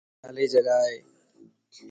يا خالي جڳا ائي